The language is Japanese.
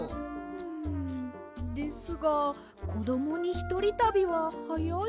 んですがこどもにひとりたびははやいような。